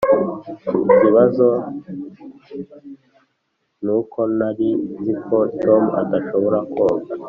ikibazo nuko ntari nzi ko tom adashobora koga.